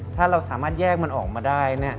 ถ้าเราสามารถแยกมันออกมาได้